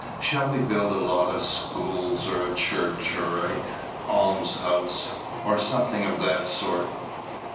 Shall we build a lot of schools, or a church, or almshouses, or something of that sort?